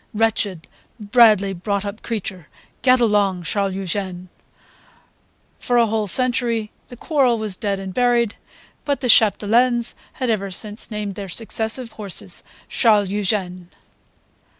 Wretched, badly brought up creature! Get along, Charles Eugene!" For a whole century the quarrel was dead and buried; but the Chapdelaines ever since had named their successive horses Charles Eugene.